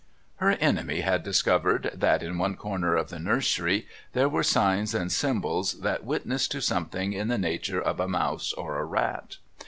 Her enemy had discovered that in one corner of the nursery there were signs and symbols that witnessed to something in the nature of a mouse or a rat.